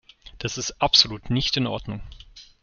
Das ist absolut nicht in Ordnung!